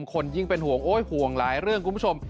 คนยิ่งเป็นห่วงโอ๊ยห่วงหลายเรื่องคุณผู้ชม